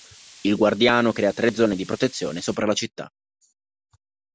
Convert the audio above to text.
Il guardiano crea tre zone di protezione sopra la città.